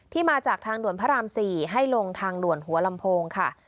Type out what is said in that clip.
มาจากทางด่วนพระราม๔ให้ลงทางด่วนหัวลำโพงค่ะ